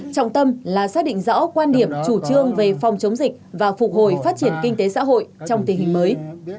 trọng tâm là xác định rõ quan điểm chủ trương về phòng chống dịch và phục hồi phát triển kinh tế xã hội trong tình hình mới